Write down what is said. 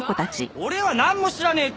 俺はなんも知らねえって！